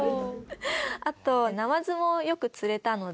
あとナマズもよく釣れたので。